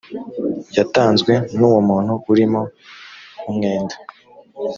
yatanzwe nuwo muntu urimo umwenda .